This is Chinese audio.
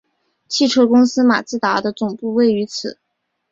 汽车公司马自达的总部位于此。